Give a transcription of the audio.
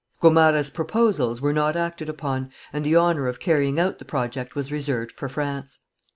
Gomara's proposals were not acted upon, and the honour of carrying out the project was reserved for France.